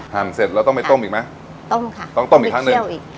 หั่นเสร็จแล้วต้องไปต้มอีกไหมต้มค่ะต้องต้มอีกครั้งหนึ่งอีกเที่ยวอีก